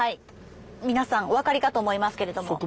皆さんおわかりかと思いますけれどもはい。